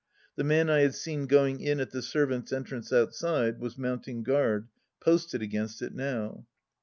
The man I had seen going in at the servants' entrance outside was mounting guard, posted against it now.